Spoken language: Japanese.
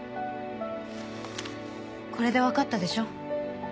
これで分かったでしょ？